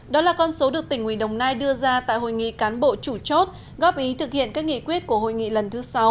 đó là con số được tỉnh ủy đồng nai đưa ra tại hội nghị cán bộ chủ chốt góp ý thực hiện các nghị quyết của hội nghị lần thứ sáu